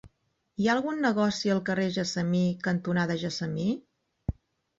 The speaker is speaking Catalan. Hi ha algun negoci al carrer Gessamí cantonada Gessamí?